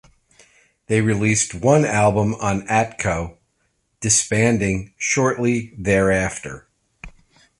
They released one album on Atco, disbanding shortly thereafter.